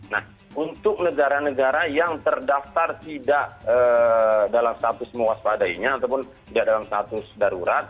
nah untuk negara negara yang terdaftar tidak dalam status mewaspadainya ataupun tidak dalam status darurat